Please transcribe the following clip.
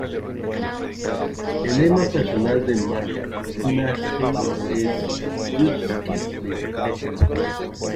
El lema personal de McConaughey es "Just Keep Living".